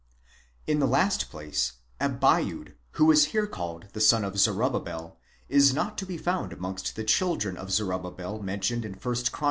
—In the last place, Abiud, who is here called the son of Zorobabel, is not to be found amongst the children of Zerubbabel mentioned 1 Chron.